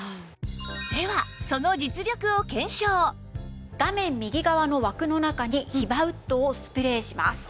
ではその画面右側の枠の中にヒバウッドをスプレーします。